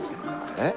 えっ？